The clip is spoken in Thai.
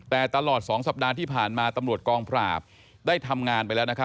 แต่ตลอด๒สัปดาห์ที่ผ่านมาตำรวจกองปราบได้ทำงานไปแล้ว